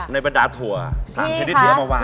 ในประดาษถั่ว๓ชนิดที่เรามาวาง